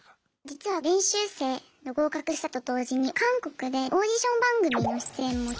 実は練習生の合格したと同時に韓国でオーディション番組の出演も決まっていて。